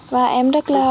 và em rất là